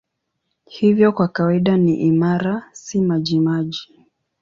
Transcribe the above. Hivyo kwa kawaida ni imara, si majimaji.